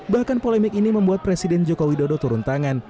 bahkan polemik ini membuat presiden joko widodo turun tangan